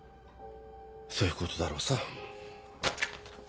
そういうことだろうさ。